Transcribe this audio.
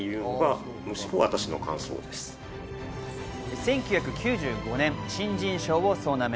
１９９５年、新人賞を総なめ。